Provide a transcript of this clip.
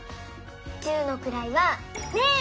十のくらいは「０」。